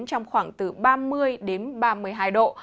trong khoảng từ ba mươi độ